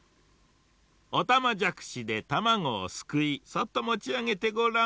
おたまじゃくしでたまごをすくいそっともちあげてごらん。